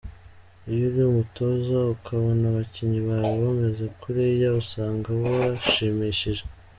Iyo uri umutoza ukabona abakinnyi bawe bameze kuriya usanga bishimishije.